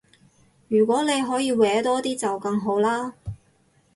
如果你可以搲多啲就更好啦